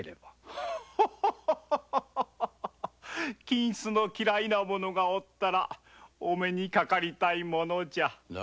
金子の嫌いな者がいたらお目にかかりたいものじゃ。